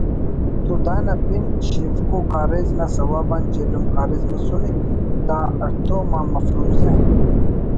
تو دانا پن شیفکو کاریز نا سوب آن جہلم کاریز مسنے دا ہڑتوم آ مفروضہ